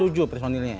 ada tujuh personilnya